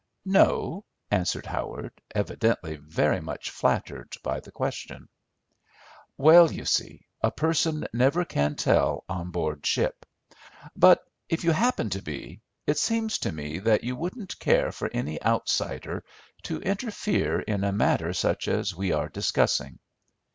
"No," answered Howard, evidently very much flattered by the question. "Well, you see, a person never can tell on board ship; but, if you happen to be, it seems to me that you wouldn't care for any outsider to interfere in a matter such as we are discussing.